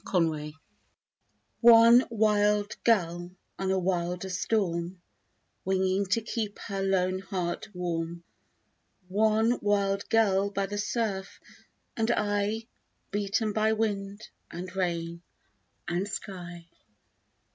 WIDOWED One wild gull on a wilder storm, Winging to keep her lone heart warm. One wild gull by the surf and I, Beaten by wind and rain and sky.